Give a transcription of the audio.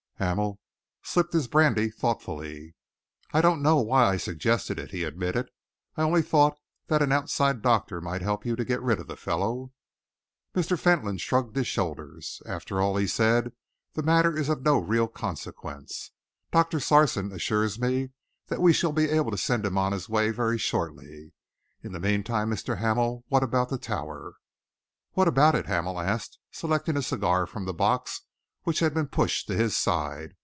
Hamel sipped his brandy thoughtfully. "I don't know why I suggested it," he admitted. "I only thought that an outside doctor might help you to get rid of the fellow." Mr. Fentolin shrugged his shoulders. "After all," he said, "the matter is of no real consequence. Doctor Sarson assures me that we shall be able to send him on his way very shortly. In the meantime, Mr. Hamel, what about the Tower?" "What about it?" Hamel asked, selecting a cigar from the box which had been pushed to his side.